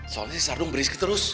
soalnya si sardung berisik terus